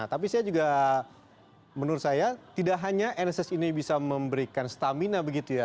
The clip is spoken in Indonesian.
tapi saya juga menurut saya tidak hanya nss ini bisa memberikan stamina begitu ya